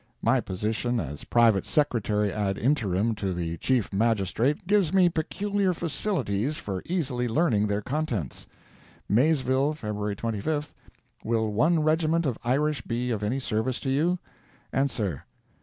My position as Private Secretary ad interim to the Chief Magistrate gives me peculiar facilities for easily learning their contents: Maysville, Feb. 25—Will one regiment of Irish be of any service to you? Answer.